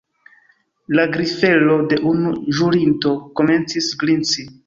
La grifelo de unu ĵurinto komencis grinci.